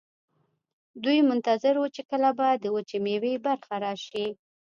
دوی منتظر وو چې کله به د وچې میوې برخه راشي.